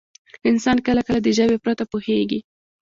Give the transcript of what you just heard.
انسان کله کله د ژبې پرته پوهېږي.